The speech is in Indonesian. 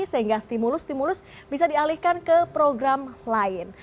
sehingga stimulus stimulus bisa dialihkan ke program lain